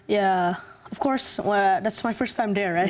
ya tentu saja itu pertama kali saya berada di sana